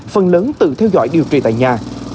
phần lớn tự theo dõi điều trị tại nhà